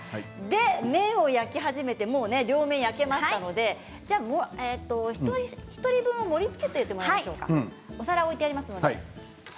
麺を焼き始めて、もう両面が焼けましたので１人分、盛りつけておいてもらいましょうかお皿を置いてありますので。